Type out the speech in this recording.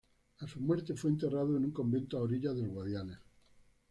A su muerte, fue enterrado en un convento a orillas del Guadiana.